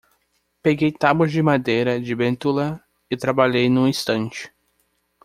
Peguei tábuas de madeira de bétula e trabalhei numa estante.